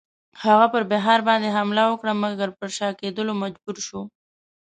هغه پر بیهار باندی حمله وکړه مګر پر شا کېدلو مجبور شو.